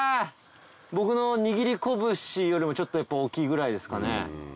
僕の握り拳よりもちょっと大っきいぐらいですかね。